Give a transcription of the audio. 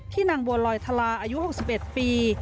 นางบัวลอยทลาอายุ๖๑ปี